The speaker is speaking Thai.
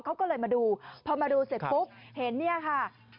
เขาก็เลยมาดูพอมาดูเสร็จปุ๊บเห็นเนี่ยค่ะ